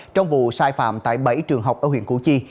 trong vụ sai phạm tại bảy trường học ở huyện củ chi